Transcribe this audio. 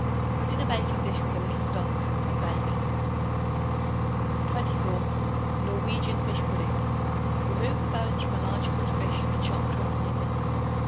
Put in a baking dish with a little stock and bake. 24. Norwegian Fish Pudding. Remove the bones from a large cooked fish and chop to a fine mince.